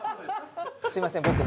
すいません。